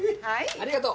ありがとう。